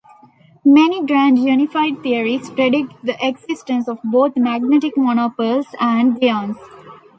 Many grand unified theories predict the existence of both magnetic monopoles and dyons.